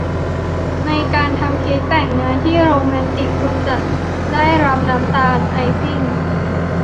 ในการทำเค้กแต่งงานที่โรแมนติกคุณต้องได้รับน้ำตาลไอซิ่ง